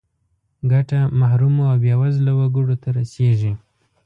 ګټه محرومو او بې وزله وګړو ته رسیږي.